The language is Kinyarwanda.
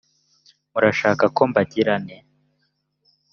murashaka ko mbagirira nte